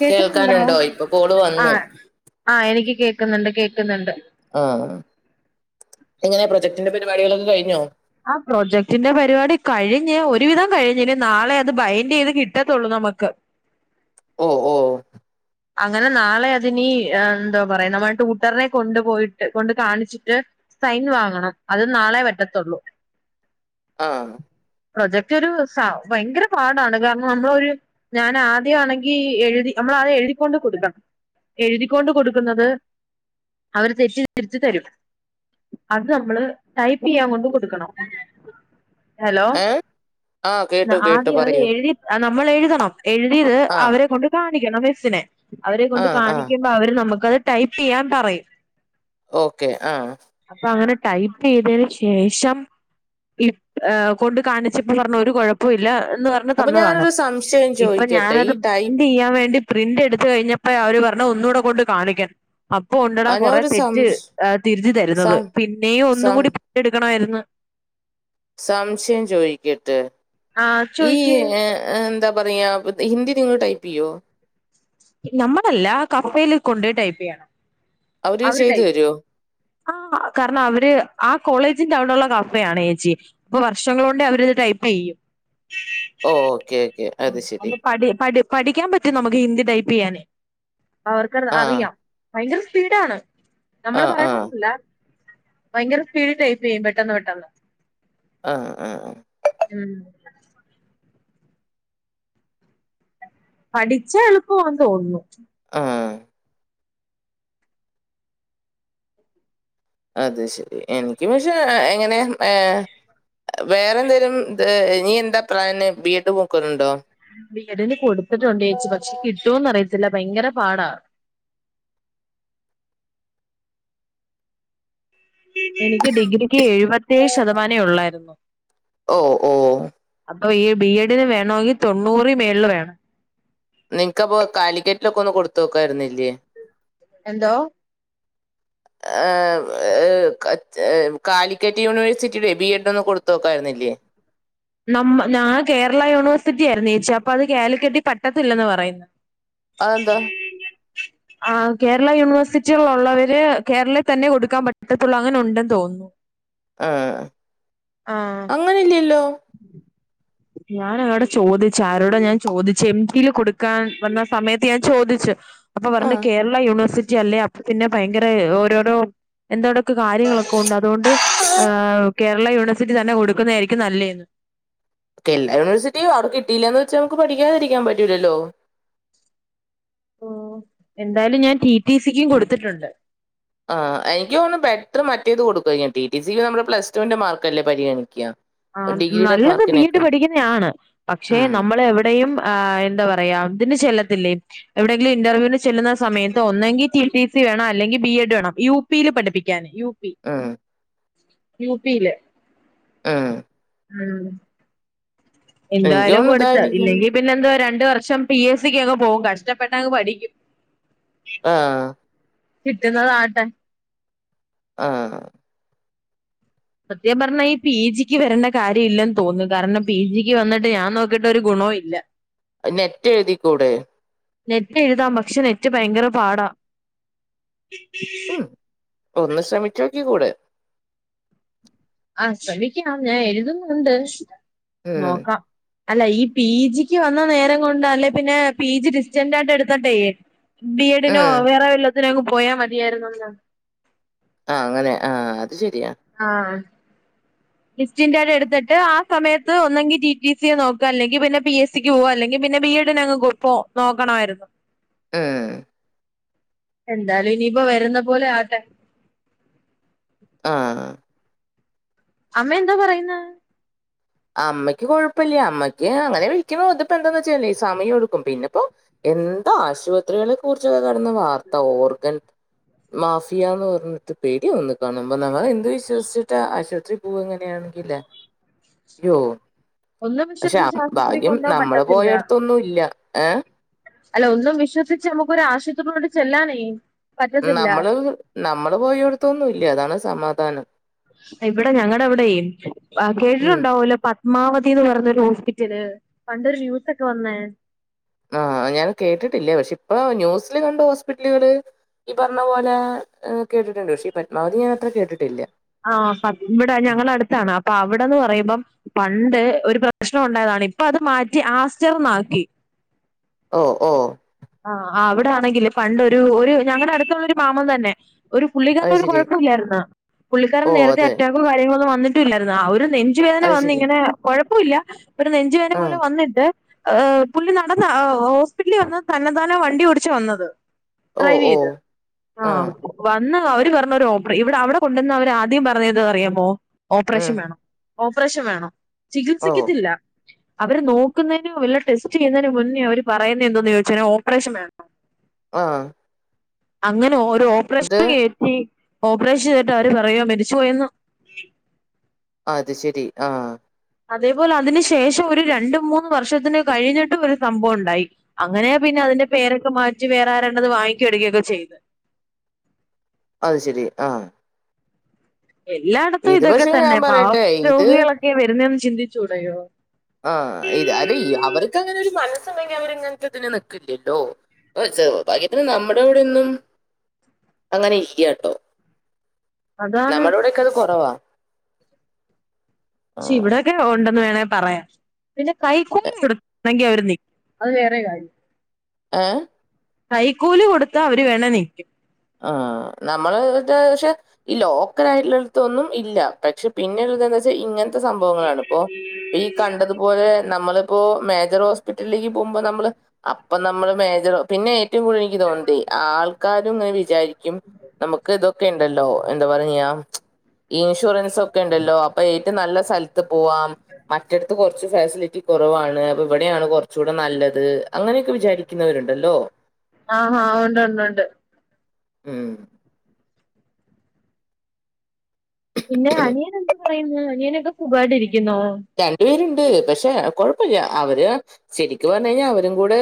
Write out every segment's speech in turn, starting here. കേക്കുന്നുണ്ടോ കേൾക്കാനുണ്ടോ ഇപ്പൊ കോള് വന്നു ആഹ് ആഹ് എനിക്ക് കേക്കുന്നുണ്ട് കേക്കുന്നുണ്ട് ആഹ് ആഹ് എങ്ങനാ പ്രൊജക്ടിന്റെ പരിപാടികളൊക്കെ കഴിഞ്ഞോ ആഹ് പ്രോജക്ടിന്റെ പരിപാടി കഴിഞ്ഞ് ഒരുവിധം കഴിഞ്ഞ് ഇനി നാളെ അത് ബൈൻഡ് ചെയ്ത് കിട്ടത്തുള്ളൂ നമക്ക് [inaudible] ഓഹ് ഓഹ് അങ്ങനെ നാളെ അതിനീ ഏഹ് എന്താ പറയാ നമ്മൾ ടൂട്ടറിനെ കൊണ്ടു പോയിട്ട് കൊണ്ട് കാണിച്ചിട്ട് സൈന് വാങ്ങണം അത് നാളെ പറ്റത്തുള്ളൂ. ആഹ് പ്രൊജക്ട് ഒരു സ ഭയങ്കര പാടാണ് കാരണം നമ്മളൊരു ഞാൻ ആദ്യമാണെങ്കി എഴുതി നമ്മളാദ്യം എഴതിക്കൊണ്ട് കൊടുക്കണം എഴുതിക്കൊണ്ട് കൊടുക്കുന്നത് അവര് തിരിച്ച് തിര്ച്ച് തരും അത് നമ്മള് ടൈപ്പ് ചെയ്യാൻ കൊണ്ട് കൊടുക്കണം ഹലോ ഏ ആ കേട്ടു കേട്ടു ആദ്യം അവരെ പറയൂ എഴുതി നമ്മൾ എഴുതണം എഴുതിയത് ആ അവരെ കൊണ്ട് കാണിക്കണം മിസ്സിനെ അവരെ ആ കൊണ്ട് ആ കാണിക്കുമ്പോ അവര് നമുക്കത് ടൈപ്പ് ചെയ്യാൻ പറയും ഓക്കെ ആഹ് അപ്പൊ അങ്ങനെ ടൈപ്പ് ചെയ്തേന് ശേഷം ഇപ് ഏഹ് കൊണ്ട് കാണിച്ചപ്പോ പറഞ്ഞ് ഒരു കൊഴപ്പോം ഇല്ല എന്ന് പറഞ്ഞ് ഞ്ഞ് അപ്പൊ തന്നതാണ് ഞാനൊരു സംശയം ഇപ്പ ചോദിക്കട്ടെ ഈ ഞാനത് ടൈപ്പ് ബൈൻഡ് ചെയ്യാൻ വേണ്ടി പ്രിന്റ് എടുത്ത് കഴിഞ്ഞപ്പെ അവര് പറഞ്ഞു ഒന്നൂടെ കൊണ്ട് കാണിക്കാൻ അപ്പൊ ആ, ഉണ്ടടാ ഞാൻ കൊറെ ഒരു തെറ്റ് സംശ ഏഹ് തിരിത്തി തരുന്നത് സം പിന്നെയും ഒന്നും സം കൂടി എടുക്കണായിരുന്നു സംശയം ചോയിക്കട്ട് ആ ഈ ചോയ്ക്ക് ഏഹ് ഏഹ് എന്താ പറയാ ഹിന്ദി നിങ്ങള് ടൈപ്പ് ചെയ്യോ? നമ്മളല്ല കഫേല് കൊണ്ടോയി ടൈപ്പ് ചെയ്യണം അവര് ചെയ്തു ടൈപ്പ് തരുമോ ആഹ് കാരണം അവര് ആഹ് കോളേജിന്റെ അവിടെ ഉള്ള കഫയാണ് ചേച്ചി അപ്പൊ വർഷങ്ങള് കൊണ്ടെ അവരത് ടൈപ്പ് ചെയ്യൂ ഓക്കെ ഓക്കെ ശരി അത് പഠി പഠി പഠിക്കാൻ പറ്റും നമ്മക്ക് ഹിന്ദി ടൈപ്പ് ചെയ്യാന് അവർക്ക് അത് ആ അറിയാം ഭയങ്കര സ്പീഡാണ് ആ നമ്മള് ആ പറയുന്നപോലല്ല ഭയങ്കര സ്പീഡിൽ ടൈപ്പ്‌ ചെയ്യും പെട്ടെന്ന് പെട്ടെന്ന് ആഹ് ആഹ് ഉം പഠിച്ചാ എളുപ്പം ആന്ന് തോന്നുന്നു ആഹ് അത് ശരി എനിക്ക് പക്ഷെ എങ്ങനെ ഏഹ് വേറെ എന്തേലും ഇനീ എന്താ പ്ലാൻ ബി എഡ് നോക്കുന്നുണ്ടോ ബി എഡ് കൊടുത്തിട്ടുണ്ട് ചേച്ചി പക്ഷെ കിട്ടുവോന്ന് അറിയത്തില്ല ഭയങ്കര പാടാ എനിക്ക് ഡിഗ്രിക്ക് എഴുപത്തിയേഴ് ശതമാനേ ഉള്ളായിരുന്നു ഓ! ഓ! അപ്പൊ ഈ ബി എഡിന് വേണമെങ്കിൽ തൊണ്ണൂറിൽ മേളിൽ വേണം നിക്ക് അപ്പൊ കാലിക്കേറ്റിലൊക്ക ഒന്ന് കൊടുത്ത് നോക്കായിരുന്നില്ലേ എന്തോ ആഹ് ഏഹ് ഏഹ് ഏഹ് കാലിക്കറ്റ് യൂണിവേഴ്സിറ്റിയുടെ ബി എഡ് ഒന്നു കൊടുത്ത നോക്കായിരുന്നില്ലേ നമ്മ ഞാൻ കേരള യൂണിവേഴ്സിറ്റി ആയിരുന്നു ചേച്ചി അപ്പോ അത് കാലിക്കെട്ട് പറ്റത്തില്ലന്ന് പറയുന്നു അതെന്താ [unintelligible] ആഹ് കേരള യൂണിവേഴ്സിറ്റികളള്ളവര് ആഹ് കേരളയൂണിവേഴ്സിറ്റിൽ ഉള്ളവര് കേരളയിൽ തന്നെ കൊടുക്കാൻ പറ്റത്തുള്ളൂ അങ്ങനെ ഉണ്ടെന്ന് തോന്നുന്നു ആഹ് ആഹ് അങ്ങനെയില്ലല്ലോ ഞൻ അങ്ങോടെ ചോദിച്ചു ആരോടെ ഞാൻ ചോദിച്ചു എംജിയിൽ കൊടുക്കാൻ വന്ന സമയത്ത് ഞാൻ ചോദിച്ചു അപ്പൊ പറഞ്ഞു ആഹ്. കേരള യൂണിവേഴ്സിറ്റി അല്ലേ അപ്പൊ പിന്നെ ഭയങ്കര ഓരോരോ എന്താണ് കാര്യങ്ങളൊക്കെ ഉണ്ട് അതുകൊണ്ട് കേരള യൂണിവേഴ്സിറ്റി തന്നെ കൊടുക്കുന്നത് ആയിരിക്കും നല്ലേന്ന് എല്ലാ യൂണിവേഴസിറ്റിയും അവിടെ കിട്ടല്ല എന്ന് വൊച്ച് നമ്മുക്ക് പഠിക്കാതിരിക്കൻ പറ്റില്ലല്ലോ ഉം എന്തായാലും ഞാൻ റ്റി റ്റി സിക്കും കൊടുത്തിട്ടുണ്ട് ആഹ് എനിക്ക് തോന്നുന്ന് ബെറ്റർ മറ്റേത് കൊടുക്കുക റ്റി റ്റി സിക്ക് നമ്മൾ പ്ലസ് ടുവിന്റെ മാർക്ക്അല്ലേപരിഗണിക്കുക പരിഗണിക്കുക ആഹ് ഡിഗ്രിയുടെ നല്ലത് ബി എഡ് മാർക്കിനേക്കാൾ. പഠിക്കുന്നാണ് പക്ഷെ ഉം. നമ്മൾ എവിടെയും ആഹ് എന്താ പറയാ ഇതിന് ചെല്ലത്തില്ലേ എവിടെയെങ്കിലും ഇന്റർവ്യൂവിന് ചെല്ലുന്ന സമയത്ത് ഒന്നെങ്കിൽ റ്റി റ്റി സി വേണം അല്ലെങ്കിൽ ബി എഡ് വേണം യു പിയിൽ പഠിപ്പിക്കാൻ ഉം യുപിയിൽ ഉം ആഹ് എനിക്ക് എന്തായാലും തോന്നുന്നു കൊടുത്ത് ഇതായിരിക്കും ഇല്ലെങ്കിൽ പിന്നെ എന്തോ രണ്ട് വർഷം പി എസ് സിക്ക് പോകും കഷ്ടപ്പെട്ടങ്ങ് പഠിക്കും ആഹ് കിട്ടുന്നത് ആട്ടെ ആഹ് സത്യം പറഞ്ഞാ ഈ പി ജിക്ക് വരണ്ട കാര്യമില്ലെന്ന് തോന്നുന്നു കാരണം പി ജിക്ക് വന്നിട്ട് ഞാൻ നോക്കിട്ട് ഒരു ഗുണവും ഇല്ല [inaudible] നെറ്റ് എഴുതിക്കൂടെ നെറ്റ് എഴുതാം പക്ഷെ നെറ്റ് ഭയങ്കര പാടാ ഉം [unintelligible] ഒന്ന് ശ്രമിച്ച് നോക്കിക്കുടെ ആഹ് ശ്രമിക്കാം ഞാൻ എഴുതുന്നുണ്ട് ഉം നോക്കാം അല്ല ഈ പി ജിക്ക് വന്ന നേരം കൊണ്ട് അല്ലെ പിന്നെ പി ജി ഡിസ്റ്റൻ ആയിട്ട് എടുത്ത്ട്ടെ ബി എഡിനോ ഉം വേറെ വെല്ലത്തിനോ ഒക്കെ പോയാ മതിയായിരുന്നു ആഹ് അങ്ങനെ ആഹ് അത് ശരിയാ ആഹ് ഡിസ്റ്റ്ൻ്റെ് ആയിട്ട് എടുത്തിട്ട് ആഹ് സമയത്ത് ഒന്നെങ്കി ടി ടി സി നോക്കാ അല്ലെങ്കിൽ പിന്നെ പി എസ് സി പോവാം അല്ലെങ്കിൽ പിന്നെ ബീ എഡന് അങ് പോ നോക്കണമായിരുന്നു ആഹ് എന്തായാലും ഇനിയിപ്പോ വരുന്ന പോലെ ആട്ടെ ആഹ് അമ്മ എന്താ പറയുന്നേ അമ്മയ്ക്ക് കുഴപ്പമില്ല അമ്മക്ക് അങ്ങനെ വിളിക്കുന്നു ഇത് ഇപ്പൊ എന്താണ് എന്ന് വെച്ചല്ലേ സമയം എടുക്കും പിന്നെപ്പോ എന്താ ആശുപത്രികളെ കുറിച്ച കടന്ന വാർത്ത ഓർഗൻ മാഫിയന്ന് പറഞ്ഞിട്ട് പേടി ആവുന്നു നമ്മൾെഎന്തു വിശ്വസിച്ചിട്ട് ആശുപത്രിയിൽ പോവ അങ്ങനെയാണെങ്കില്ലേ അയ്യോ ഒന്നും പക്ഷെ വിശ്വസിച്ച് ആശുപത്രി ഭാഗ്യം കൊണ്ടുപോകാൻ നമ്മൾ പറ്റത്തില്ല പോയടത്തൊന്നും ഇല്ല ഏഹ് അല്ല ഒന്നും വിശ്വസിച്ച് നമുക്കൊ ഒരു ആശുപത്രിനോട് ചെല്ലാനേ പറ്റത്തില്ല നമ്മള് നമ്മള് പോയടത്തൊന്നും ഇല്ല അതാണ് സമാധാനം ഇവിടെ ഞങ്ങടെ അവിടെ ഉം കേട്ടിട്ടുണ്ടാവൂലോ ഉമാവതി എന്ന് പറഞ്ഞരു ഹോസ്പിറ്റല് പണ്ടൊരു ന്യൂസൊക്കെ വന്നേ ആഹ ഞാൻ കേട്ടിട്ടില്ലേ പക്ഷെ ഇപ്പൊ ന്യൂസില് കണ്ട ഹോസ്പിറ്റലുകൾ ഈ പറഞ്ഞ പോലെ കേട്ടിട്ടുണ്ട് പക്ഷേ ഈ പത്മാവതി ഞാൻ അത്ര കേട്ടിട്ടില്ല ആഹ ഇവിടെ ഞങ്ങള അടുത്താണ് അപ്പൊ അവിടെന്ന് പറയുമ്പം പണ്ട് ഒരു പ്രശ്നം ഉണ്ടായതാണ് ഇപ്പൊ അത് മാറ്റി ആസ്റ്റർ എന്ന് ആക്കി ഓ ഓ ആ അവിടെ ആണെങ്കില് പണ്ടൊ ഒരു ഒരു ഞങ്ങളുടെ അടുത്തുള്ള ഒരു മാമൻ തന്നെ ഒ അത് പുള്ളികാരന് ഒരു ശരി കുഴപ്പം ഇല്ലാരുന്നു പുള്ളിക്കാരൻ ഓ നേരത്തെ അതെ അറ്റാക്കോ കാര്യങ്ങളോന്നും വന്നിട്ടും ഇല്ലായിരുന്നു ആ ഒരു നെഞ്ചുവേദന അത് വന്ന ശരി ഇങ്ങനെ കൊഴപ്പമില്ല ഒരു നെഞ്ചവേദന പോലെ ആഹ് വന്നിട്ട് ഏഹ് പുള്ളി നടന്നാ ഹോസ്പിറ്റലിൽ വണ്ടി ഓടിച്ച് വന്നത് ഓ ഡ്രൈവ് ഓ ചെയ്ത ആ ആഹ് വന്ന് അവര് പറഞ്ഞ് ഇവിടെ അവിടെ എന്തെന്നാ അവർ ആദ്യം പറഞ്ഞത് അറിയാമോ ഓപ്പറേഷൻ ഉം വേണം ഓപ്പറേഷൻ വേണം ഓ ചികിത്സിക്കത്തില്ല അവര് നോക്കുന്നതിനും വല്ല ടെസ്റ്റ് ചെയ്യുന്നതിന് മുന്നേ അവര് പറയുന്ന എന്തന്ന ചോദിച്ചാൽ ഓപ്പറേഷൻവേണം വേണം ആഹ് അങ്ങനെ ഒരു ഇത് ഓപ്പറേഷൻ കയറ്റി ഓപ്പറേഷൻ ചെയ്തിട്ട് അവര് പറയാ മരിച്ചു പോയന്ന് ആ അത് ശരി ആ അതേപോലെ അതിന് ശേഷം ഒരു രണ്ട മൂന്ന് വർഷം കഴിഞ്ഞിട്ടും ഒരു സംഭവം ഉണ്ടായി അങ്ങനെയ പിന്നെ അതിന്റെ പേരൊക്കെ മാറ്റി വേറെ ആരാണ്ടത് വാങ്ങിക്കുകയൊക്കെ ചെയ്ത് അത് ശരി ആ എല്ലായിടത്തും ഇത് ഇതൊക്കെ പക്ഷെ തന്നെ ഞാൻ പാവം പറയട്ടെ ഇത് രോഗികളൊക്കെ വരുന്നന്ന് ചിന്തിച്ചുടയോ ആഹ് അതെ അവർക്ക് അങ്ങനെ ഒരു മനസ്സുണ്ടെങ്കിൽ അവർ ഇങ്ങനത്തെ ഒരു ഇദിന് നിൽക്കില്ലല്ലോ ഭാഗ്യത്തിന് നമ്മുടെ ഇവിടെ ഒന്നും അങ്ങനെ ഇല്ലയാട്ടോ അതാണ് നമ്മുടെ ഇവിടെയൊക്കെ അത് കുറവാ ആ, പക്ഷെ ഇവിടെയൊക്കെ ഉണ്ടെന്ന് വേണമങ്കിൽ പറയാം പിന്നെ കൈക്കൂലി എ- കൊടുണെങ്കിൽ അവര് നികുതി അത് വേറെ കാരം ആഹ കൈക്കൂല് കൊടുത്ത അവര് വേണേ നിൽക്കും ആഹ നമ്മള്ഡെ പക്ഷെ ഈ ലോക്കല് ആയിട്ടുള്ളവരുടെ അടത്തൊന്നും ഇല്ല പക്ഷെ പിന്നെ ഒരു ഇത് എന്താന്ന് വെച്ചാൽ ഇങ്ങനത്തെ സംഭവങ്ങളാണ് ഇപ്പോ ഈ കണ്ടതുപോലെ നമ്മള്പ്പോ മേജർ ഹോസ്പിറ്റലിലേക്ക് പോമ്പോ നമ്മള് അപ്പം നമ്മള് മേജർ പിന്നെ ഏറ്റവും കൂടുതൽ എനിക്ക് തോന്ന്ന്നതെ ആൾക്കാരും ഇങ്ങനെ വിചാരിക്കും നമുക്ക് ഇതൊ ഒക്കെണ്ടല്ലോ എന്താ പറയാ ഞാ ഇൻഷുറൻസ് ഒക്കെണ്ടല്ലോ അപ്പൊ ഏറ്റം നല്ല സ്ഥല ത്ത് പോവാം മറ്റട്ത് കൊറച്ച് ഫെസിലിറ്റി കൊറവാണ് അപ്പ ഇവിടെയാണ് കുറച്ചൂടെ നല്ലത് അങ്ങനെയൊക്കെ വിചാരിക്കുന്നവരുണ്ടല്ലോ ആഹാ ഉണ്ട് ണ്ട് ണ്ട് ഉം പിന്നെ അനിയൻ എന്ത് പറയുന്ന് അനിയനൊക്കെ സുഖായിട്ടിരിക്കുന്നോ രണ്ട് പേര്ണ്ട് പക്ഷെ കുഴപ്പല്ല അവര് ശരിക്ക്‌ പറഞ്ഞ്കഴിഞ്ഞ അവരും കൂടെ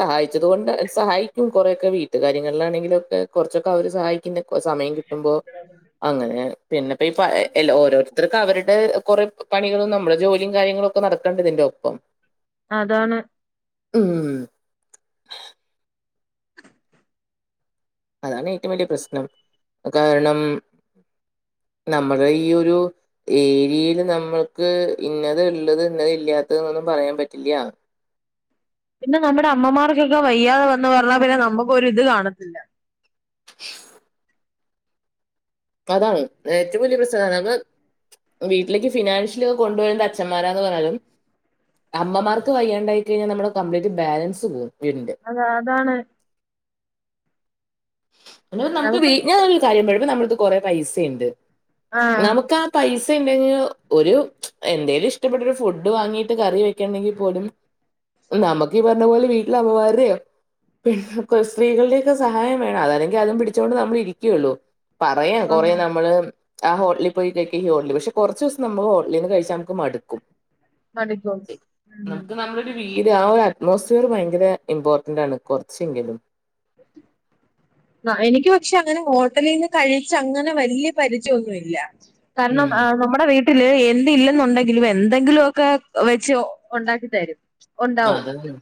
സഹായിച്ചത് കൊണ്ട് സഹായി കൊറേക്കെ വീട്ട് കാര്യങ്ങളിലാണെങ്കിലും ഒക്കെ കൊറച്ചൊക്കെ അവര് സഹായിക്ക്‌ണ്ട് സമയം കിട്ടുമ്പോ അങ്ങനെ പിന്നെപ്പീ പയേ ഓരോരുത്തർക്ക്‌ അവരുടെ കുറെ പണികളും നമ്മളെ ജോലീം കാര്യങ്ങളൊക്കെ നടക്കണ്ടെ ഇതിന്റൊപ്പം അതാണ് ഉം അതാണ് ഏറ്റവും വലിയ പ്രശ്നം കാരണം നമ്മടെ ഈ ഒരു ഏരീല് നമ്മൾക്ക് ഇന്നത് ള്ളത് ഇന്നത് ഇല്ലാത്തത് എന്നൊന്നും പറയാൻ പറ്റില്ല പിന്നെ നമ്മടെ അമ്മമാർക്കൊക്കെ വയ്യാതെ വന്നു പറഞ്ഞാ പിന്നെ നമ്മക്കൊരു ഇത് കാണത്തില്ല [inaudible] അതാണ് ഏറ്റവും വല്യ പ്രശ്നം ഞമ്മള് വീട്ടിലെക്ക് ഫിനാൻഷ്യലിയൊക്കെ കൊണ്ട് വരണ്ടത് അഛന്മാരാന്ന് പറഞ്ഞാലും അമ്മമാർക്ക് വയ്യാണ്ടായി കഴിഞ്ഞാ നമ്മളെ കംപ്ലീറ്റ് ബാലൻസ് പോവും വീടിന്റെ അതാ അതാണ് പിന്നെപ്പം നമുക്ക് വീ ഞാനൊരു കാര്യം പറയട്ടെ ഇപ്പൊ നമ്മട്ത് കൊറെ പൈസണ്ട് ആഹ് നമുക്കാ പൈസണ്ടെങ്ങി ഒരു എന്തേലും ഇഷ്ടപ്പെട്ട ഒരു ഫുഡ് വാങ്ങീട്ട് കറി വെക്കാണ്ടെങ്കിൽ പോലും നമക്ക് ഈ പർഞ്ഞ പോലെ വീട്ടില് അമ്മമാരെയോ പിന്നെ സ്ത്രീകൾടെയൊക്കെ സഹായം വേണം അതല്ലെങ്കി അതും പിടിച്ചോണ്ട് നമ്മൾ ഇരിക്കെയൊള്ളൂ. പറയാം കൊറേ ആഹ് നമ്മള് ആ ഹോട്ടലി പോയി കഴി [unintelligible] പക്ഷെ കുറച്ചൂസം നമ്മള് ഹോട്ടലീന്ന് കഴിച്ചാ നമ്മക്ക് മടുക്കും മടുക്കും ഉം നമുക്ക് നമ്മൾ വീട് ആ ഒര് അറ്റ്മോസ്ഫിയർ ഭയങ്കര ഇമ്പോർട്ടന്റ് ആണ് കുറച്ചെങ്കിലും [inaudible] ആഹ് എനിക്ക് പക്ഷെ അങ്ങനെ ഹോട്ടലീന്ന് കഴിച്ച് അങ്ങനെ വലിയ പരിചയൊന്നുല്ല കാരണം ഉം ആഹ് നമ്മടെ വീട്ട് ട്ടില് എന്ത് ഇല്ലെന്നുണ്ടെങ്കിലും എന്തെങ്കിലും ഒക്കെ വെച്ച് ഒണ്ടാക്കിത്തരും ഒ ണ്ടാവും അതന്നെ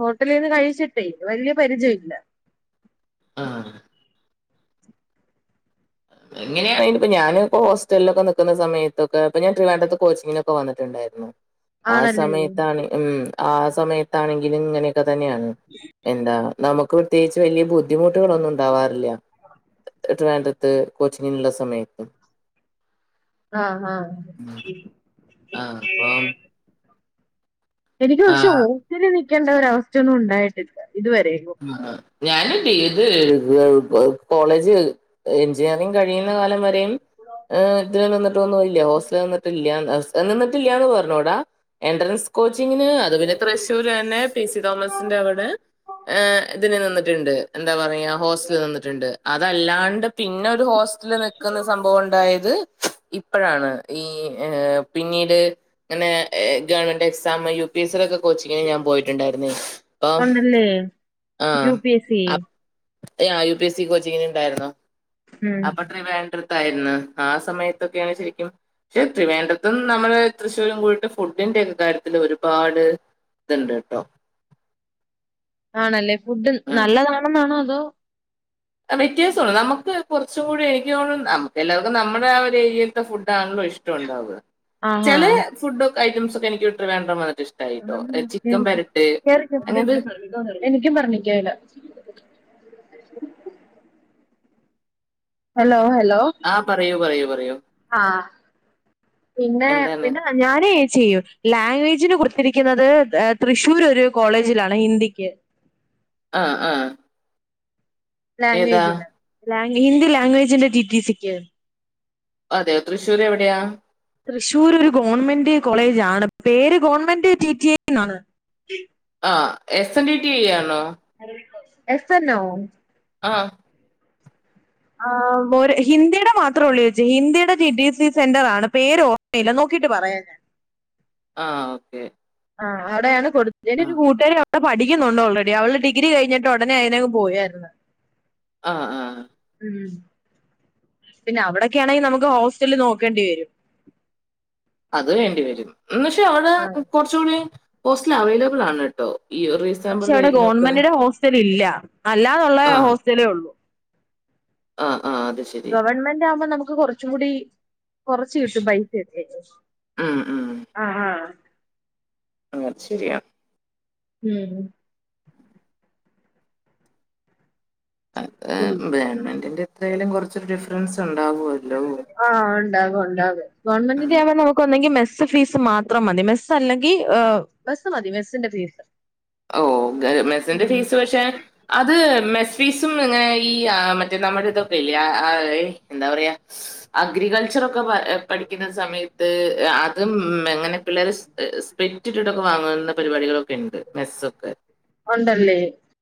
ഹോട്ടലീന്ന് കഴിച്ചിട്ടേ വല്യ പരിചയല്ല ആഹ് എങ്ങനെയാണേലും ഇപ്പ ഞാന്പ്പൊ ഹോസ്റ്റൽലൊക്കെ നിക്കുന്ന സമയത്തൊക്കെ ഇപ്പൊ ഞാനൻ ട്രിവാൻഡ്രത്ത് കോച്ചിങ്ങിന് ഒക്കെ വന്നിട്ട്ണ്ടായിരുന്നു ആ ആണല്ലേ സമയത്താണ് ഉം ആ സമയത്താണെങ്കിലും ഇങ്ങനെയൊക്കെ തന്നെയാണ് എന്താ നമുക്ക് പ്രത്യേകിച്ച് വല്യ ബുദ്ധിമുട്ടുകളൊന്നും ഉണ്ടാവാറില്ല ട്രിവാൻഡ്രംത്ത് ത്ത് കോച്ചിങ്ങിനുള്ള സമയത്ത് ആഹ് ഹാ ആഹ് അപ്പം എനിക്ക് പക്ഷെ ആഹ് ഹോസ്റ്റൽല് നിക്കണ്ട ഒരവസ്ഥയൊന്നും ഉണ്ടായിട്ടില്ല ഇതുവരേക്കും ഞാന് ബി എഡ് കോ കോളേജ് എഞ്ചിനീയറിംഗ് കഴി യ്ണ കാലം വരെയും ഏഹ് ഇതിൽ നിന്നിട്ടൊന്നുംല്ല ഹോസ്റ്റൽല് നിന്നിട്ടില്ല [unintelligible] നിന്നിട്ടില്ലാന്ന് പറഞ്ഞൂടാ എൻട്രൻസ് കോച്ചിങ്ങിന് അത് പിന്നെ തൃശൂരന്നെ പി സി തോമസിന്റെ അവടെ ഏഹ് ഇതിന് നിന്നിട്ടുണ്ട് എന്താ പറയാ ഹോസ്റ്റൽല് നിന്നിട്ട്ണ്ട് അതല്ലാണ്ട് പിന്നെ ഒരു ഹോ സ്റ്റൽല് നിക്കണ സംഭവം ഉണ്ടായത് ഇപ്പഴാണ് ഈ ഏഹ് പിന്നീട് ഇങ്ങനെ government exam U P S C ടെക്കെ കോച്ചിങ്ങിന് ഞാൻ പോയിട്ടുണ്ടായിരുന്നേ അപ്പൊ ലേ ആഹ് അപ് യാ യു പി എസ് സി കോച്ചിങ്ങിന് ഇണ്ടായിരുന്നു. ഉം അപ്പേ ട്രിവാണ്ട്രത്തായിരുന്നു ആ സമയത്തൊക്കെയാണ് ശെരിക്കും ക്ഷെ ട്രിവാണ്ട്രത്തും ന്നമ്മള് തൃശൂരും കൂടിയിട്ട് ഫുഡിന്റെഒക്കെ കാര്യത്തില് ഒരുപാട് ഇതുണ്ട്ട്ടോ. ആണല്ലേ ഫുഡ് ഉം ന്നല്ലെതാണെന്നാണോ അതോ ആഹ് വ്യത്യാസോണ്ട് നമ്മക്ക് കൊറച്ചു കൂടി എനിക്ക് തോന്നണു നമ്മക്ക് എല്ലാവർക്കും ആ ഒര് ഏരിയലത്തെ ഫുഡാണല്ലോ ഇഷ് ട്ടൊണ്ടാവാ ആഹാ ചെലെ ഫുഡ് ഐറ്റംസൊക്കെഎനിക്ക് ട്രിവാഡ്രം വന്ന് ഇഷ്ട്ടായിട്ടോ ചിക്കൻ കേറിക്കോ പെരെട്ട് അങ്ങൻത് കേറിക്കോ എനിക്കും പറ്ണിക്കെല ഹെലോ ഹെലോ ആ പറയൂ പറയൂ പറയൂ ആഹ് പിന്നെ എന്താണ് പിന്നെ ഞാനേ ചെയ്യൂ ലാംഗ്വേജിന് കൊടുത്തിരിക്കുന്നത് ഏഹ് തൃശ്ശൂർ ഒര് കോളേജിലാണ് ഹിന്ദിക്ക് ആഹ് ആഹ് ലാംഗ്വേജ്ന് ലാ ഹിന്ദി ലാംഗ്വേജിന്റെ റ്റി റ്റി സിക്ക്. അതെ തൃശ്ശൂര് എവിടെയാ? തൃശ്ശൂർ ഒര് ഗോൺമെന്റ് കോളേജ് ആണ് പേര് ഗവൺമെന്റ് ടി ടി ന്നാണ്. ആഹ് S N D T I ആണോ? എസ് എന്നോ? ആഹ് ആഹ് ഒര് ഹിന്ദിടെ മാത്രഒള്ളുയേച്ചി ഹിന്ദിയുടെ ജി ഡി സി സെന്റർആണ് പേര് ഓർമ്മയില്ല. നോക്കീട്ട് പറയാംഞാൻ. ആഹ് ഓക്കെ ആഹ് അവിടെയാണ് കൊട് ആ എന്റെഒരു കൂട്ടുകാരി പ്പപഠിക്കുന്നുണ്ട് ഓൾറെഡി അവള് ഡിഗ്രി കഴ്ഞ്ഞിട്ട് ഒടനെ അതിനെങ്ങു പോയായിരുന്നു. ആഹ് ആഹ് ഉം പിന്നെ അവിടെക്കെണെങ്കിൽ ന്നമുക്ക് ഹോസ്റ്റൽ നോക്കേണ്ടിവെരും. അത് വേണ്ടിവെരും ന്ന്ക്ഷേ അവ ആഹ് കൊർച്ചകുടിം ഹോസ്റ്റ്ല് അവൈലബിൾ ആണ് ട്ടോ ഈഒരീ പക്ഷെ അവിടെ ഗോൺമെന്റിന്റെ ഹോസ്റ്റലില്ല. അല്ലാന്നുള്ള ഹോസ്റ്റലേഒള്ളു. ആഹ് ആഹ് അത് ഷ് ഗവൺമെന്റ്ആവുമ്പോ ന്നമുക്ക് കൊർച്ച്കൂടി കൊർച്ച് കിട്ടും പൈസയൊക്കെ. ഉം ഉം. ആഹ് ആഹ് ആത് ശെരിയ. ഉം ഉം ഗവൺമെന്റിന്റെ എത്രേലും കുർച്ചൊരു ഡിഫ്റെൻസ്ഉണ്ടാവോലോ? ആഹ് ഒണ്ടാവും ഒണ്ടാവും ഗോൺമെന്റിന്റെ ആമ്പോ നമുക്ക്ന്നെങ്കിൽ മെസ്സ് ഫീസ് മാത്രം മതി. മെസ്സ്അല്ലങ്കിൽ ഹ് മൊസ് മതി മെസ്സിന്റെ പീസ് ഓഹ് മെസ്സിന്റെ ഫീസ്പക്ഷെ അത് മെസ് ഫീസും ഇങ്ങനെ ഈ ആ മറ്റേ ന്നമ്മടെ ഇതൊക്കെ ഇല്ലേ എന്താ പറയാ അഗ്രികൾച്ചറൊക്കെ ഹ് പഠിക്ണ സമയത്ത് ഹ് അ ത്മ് അങ്ങനെ പിള്ളേര് സ്പെറ്റ് ഇട്ടിട്ടൊക്കെ വാങ്ങുന്ന പരിപാടികളൊക്കെണ്ട്. മെസ്സൊക്കെ ഒണ്ടല്ലേ?